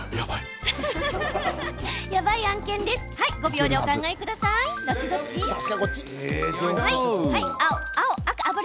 ５秒でお考えください。